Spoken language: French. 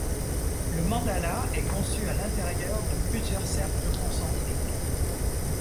Le Mandala est conçu à l’intérieur de plusieurs cercles concentriques.